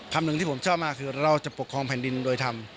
หนึ่งที่ผมชอบมากคือเราจะปกครองแผ่นดินโดยธรรม